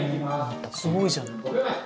すごいじゃない。